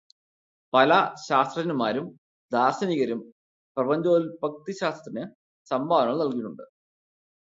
പല ശാസ്ത്രജ്ഞന്മാരും ദാർശനികരും പ്രപഞ്ചോല്പത്തിശാസ്ത്രത്തിന് സംഭാവനകൾ നൽകിയിട്ടുണ്ട്.